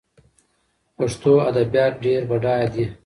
پښتو ادبيات ډېر بډايه دي.